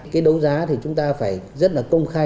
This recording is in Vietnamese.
cái đấu giá thì chúng ta phải rất là công khai